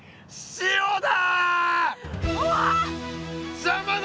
塩だ！